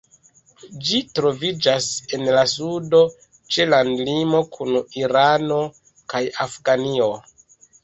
Ĝi troviĝas en la sudo, ĉe landlimo kun Irano kaj Afganio.